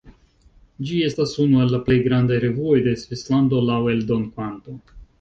Ĝi estas unu el la plej grandaj revuoj de Svislando laŭ eldonkvanto.